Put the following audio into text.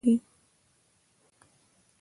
سارې د ډېرو زړونه مات کړي دي.